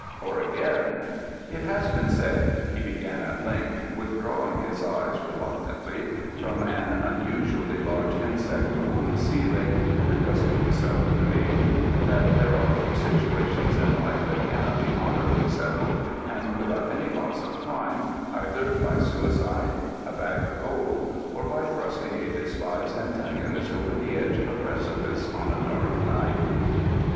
Or again: "It has been said," he began at length, withdrawing his eyes reluctantly from an unusually large insect upon the ceiling and addressing himself to the maiden, "that there are few situations in life that cannot be honourably settled, and without any loss of time, either by suicide, a bag of gold, or by thrusting a despised antagonist over the edge of a precipice on a dark night."